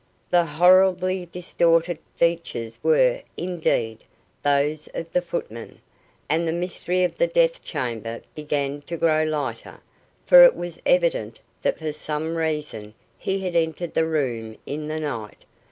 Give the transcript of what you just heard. The horribly distorted features were, indeed, those of the footman, and the mystery of the death chamber began to grow lighter, for it was evident that for some reason he had entered the room in the night.